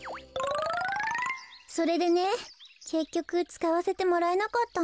それでねけっきょくつかわせてもらえなかったの。